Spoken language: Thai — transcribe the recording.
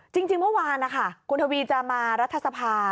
จริงเมื่อวานนะคะคุณทวีจะมารัฐสภา